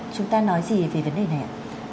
chúng ta nói gì về vấn đề này ạ